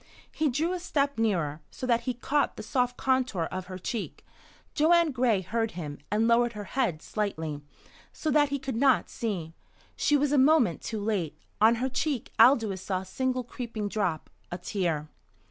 He drew a step nearer, so that he caught the soft contour of her cheek. Joanne Gray heard him, and lowered her head slightly, so that he could not see. She was a moment too late. On her cheek Aldous saw a single creeping drop a tear.